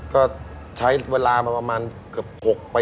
ก็ใช้เวลามาประมาณเกือบ๖ปี